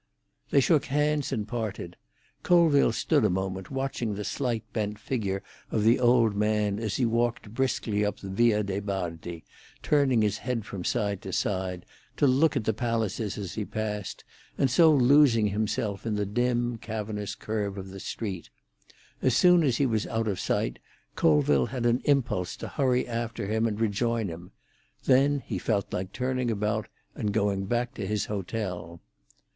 They shook hands and parted. Colville stood a moment, watching the slight bent figure of the old man as he moved briskly up the Via de' Bardi, turning his head from, side to side, to look at the palaces as he passed, and so losing himself in the dim, cavernous curve of the street. As soon as he was out of sight, Colville had an impulse to hurry after him and rejoin him; then he felt like turning about and going back to his hotel.